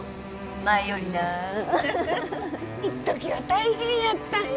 前よりないっときは大変やったんよ